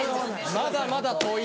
まだまだ遠い。